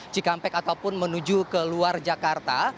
cikampek ataupun menuju ke luar jakarta